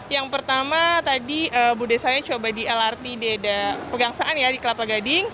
yang pertama tadi budaya saya coba di lrt di pegangsaan ya di kelapa gading